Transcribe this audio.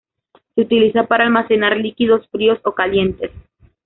Se utiliza para almacenar líquidos, fríos o calientes.